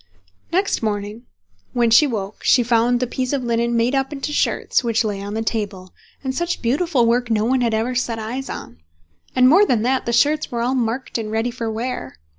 Next morning when she woke she found the piece of linen made up into shirts, which lay on the table—and such beautiful work no one had ever set eyes on; and more than that, the shirts were all marked and ready for wear.